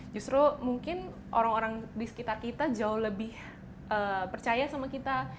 justru mungkin orang orang di sekitar kita jauh lebih percaya sama kita